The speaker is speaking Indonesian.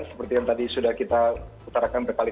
seperti yang tadi sudah kita putarkan